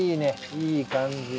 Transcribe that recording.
いい感じに。